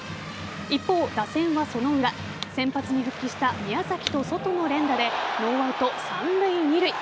一方、打線はその裏先発に復帰した宮崎とソトの連打でノーアウト三塁・二塁。